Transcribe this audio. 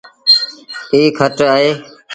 ايٚ کٽ اهي ۔